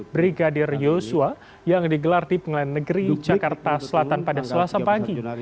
brigadir yosua yang digelar di pengadilan negeri jakarta selatan pada selasa pagi